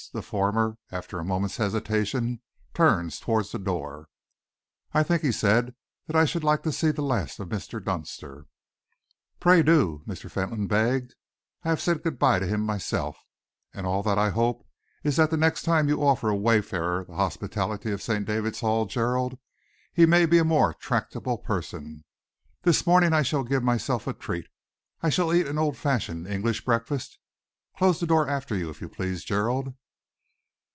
The former, after a moment's hesitation, turned towards the door. "I think," he said, "that I should like to see the last of Mr. Dunster." "Pray do," Mr. Fentolin begged. "I have said good by to him myself, and all that I hope is that next time you offer a wayfarer the hospitality of St. David's Hall, Gerald, he may be a more tractable person. This morning I shall give myself a treat. I shall eat an old fashioned English breakfast. Close the door after you, if you please, Gerald."